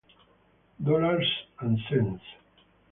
Dollars and Sense